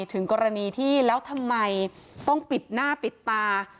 ถึงกรณีที่แล้วทำไมต้องปิดหน้าปิดตา